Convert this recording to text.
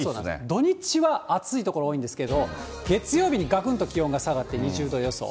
土日は暑い所多いんですけど、月曜日にがくんと気温が下がって２０度予想。